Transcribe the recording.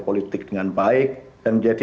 politik dengan baik dan menjadi